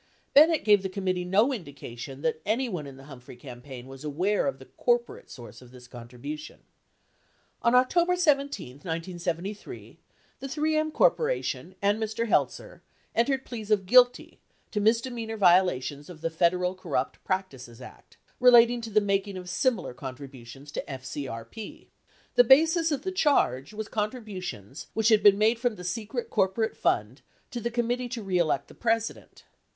Bennett gave the committee no indication that anyone in the Humphrey campaign was aware of the corporate source of this contribution. On October 17, 1973, the 3 M Corp. and Mr. Heltzer entered pleas of guilty to misdemeanor violations of the Federal Corrupt Practices Act, relating to the making of similar contributions to FCRP." The basis of the charge was contributions which had been made from the secret corporate fund to the Committee To Re Elect the President.